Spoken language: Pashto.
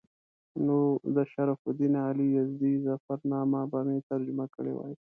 نو د شرف الدین علي یزدي ظفرنامه به مې ترجمه کړې وای.